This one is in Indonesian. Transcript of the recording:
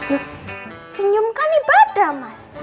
oh senyum kan ibadah mas